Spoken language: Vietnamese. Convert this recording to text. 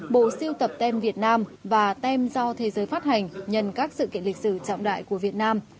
bộ siêu tập tem việt nam và tem do thế giới phát hành nhân các sự kiện lịch sử trọng đại của việt nam